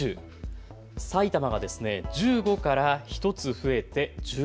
埼玉が１５から１つ増えて１６。